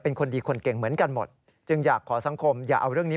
เป็นคนดีคนเก่งเหมือนกันหมดจึงอยากขอสังคมอย่าเอาเรื่องนี้